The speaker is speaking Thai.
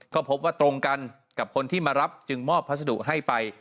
ก็พบว่าตรงกันกับคนที่มารับจึงมอบพัสดุให้ไป